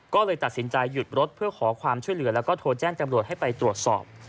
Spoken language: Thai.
ก็เลยตัดสินใจหยุดรถเพื่อขอความช่วยเหลือแล้วก็โทรแจ้งจำรวจให้ไปตรวจสอบ